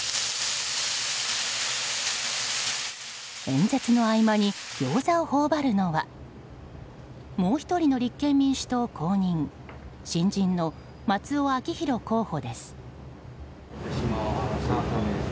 演説の合間にギョーザを頬張るのはもう１人の立憲民主党公認新人の松尾明弘候補です。